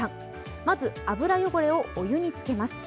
まずは油汚れをお湯につけます。